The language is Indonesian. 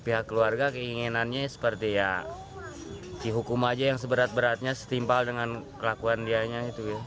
pihak keluarga keinginannya seperti ya dihukum aja yang seberat beratnya setimpal dengan kelakuan dianya